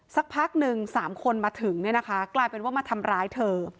สักพักหนึ่งสามคนมาถึงกลายเป็นว่ามาทำร้ายเธอ